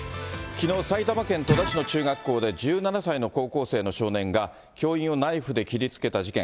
きのう、埼玉県戸田市の中学校で、１７歳の高校生の少年が、教員をナイフで切りつけた事件。